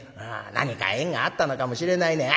何か縁があったのかもしれないね。